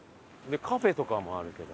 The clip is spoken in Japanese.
カフェとかもあるけど。